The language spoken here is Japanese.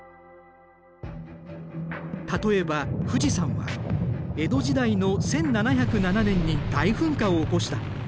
例えば富士山は江戸時代の１７０７年に大噴火を起こした。